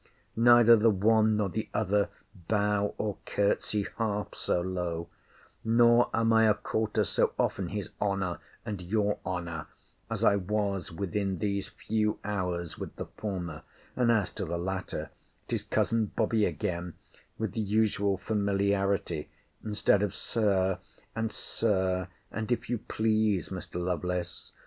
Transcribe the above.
Neither the one nor the other bow or courtesy half so low—nor am I a quarter so often his honour and your honour, as I was within these few hours, with the former: and as to the latter—it is cousin Bobby again, with the usual familiarity, instead of Sir, and Sir, and If you please, Mr. Lovelace.